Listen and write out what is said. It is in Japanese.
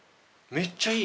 めっちゃいい。